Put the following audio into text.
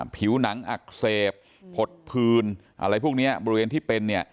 ผิวหนังอักเสบผดพื้นอะไรพวกนี้บริเวณที่เป็นเนี่ย